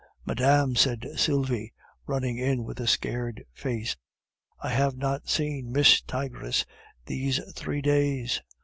"Madame," said Sylvie, running in with a scared face, "I have not seen Mistigris these three days."